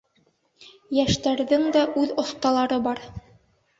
Йәштәрҙең дә үҙ оҫталары бар.